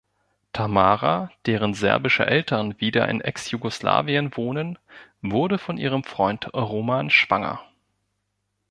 Tamara, deren serbische Eltern wieder in Ex-Jugoslawien wohnen, wurde von ihrem Freund Roman schwanger.